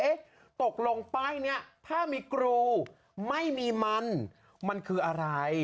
ตกลงป้ายนี้ถ้ามีกรูไม่มีมันมันคืออะไร